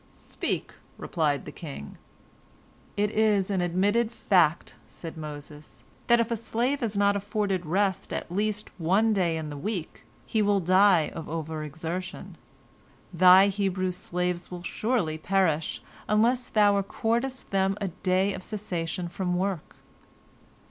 "Speak," replied the king. "It is an admitted fact," said Moses, "that if a slave is not afforded rest at least one day in the week, he will die of overexertion. Thy Hebrew slaves will surely perish, unless thou accordest them a day of cessation from work."